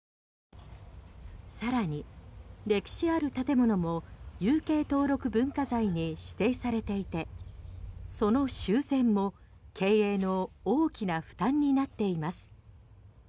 更に、歴史ある建物も有形登録文化財に指定されていてその修繕も経営の大きな負担になっています。